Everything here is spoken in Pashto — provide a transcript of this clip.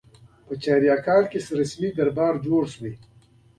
په چاریکار کې رسمي دربار جوړ شو.